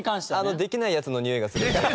できないやつのにおいがするんで。